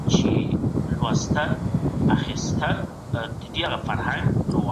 د پانګي راکد کيدو مخنيوی د بانکونو لخوا کيږي.